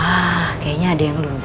hah kayaknya ada yang lupa ya